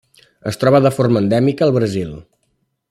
Es troba de forma endèmica al Brasil.